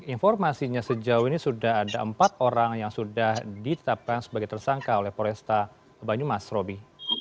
informasinya sejauh ini sudah ada empat orang yang sudah ditetapkan sebagai tersangka oleh poresta banyumas roby